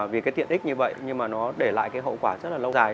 vì cái tiện ích như vậy nhưng mà nó để lại cái hậu quả rất là lâu dài